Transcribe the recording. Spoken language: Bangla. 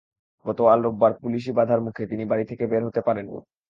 গতকাল রোববার পুলিশি বাধার মুখে তিনি বাড়ি থেকে বের হতে পারেননি।